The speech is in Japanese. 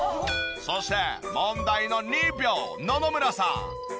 そして問題の２秒野々村さん。